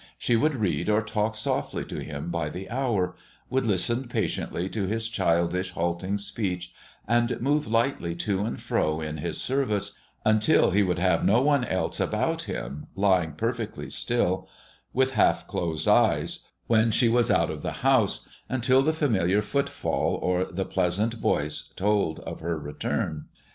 She would read or talk softly to him by the hour, would listen patiently to his childish, halting speech, and move lightly to and fro in his service, until he would have no one else about him, lying perfectly still, with half closed eyes, when she was out of the house, until the familiar footfall or the pleasant voice told of her return.